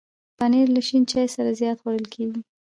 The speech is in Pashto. پنېر له شین چای سره زیات خوړل کېږي.